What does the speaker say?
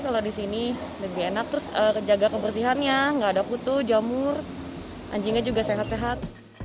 kalau disini lebih enak terus kejagaan kebersihannya enggak ada kutu jamur anjingnya juga sehat sehat